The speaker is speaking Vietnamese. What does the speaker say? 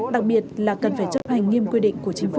đặc biệt là cần phải chấp hành nghiêm quy định của chính phủ